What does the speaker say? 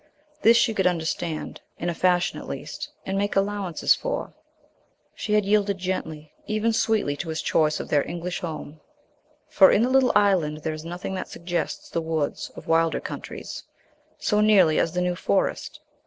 This she could understand, in a fashion at least, and make allowances for. She had yielded gently, even sweetly, to his choice of their English home; for in the little island there is nothing that suggests the woods of wilder countries so nearly as the New Forest.